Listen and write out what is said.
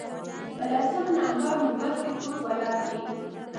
په لسم نمبر نوبت کې څوک ولاړ دی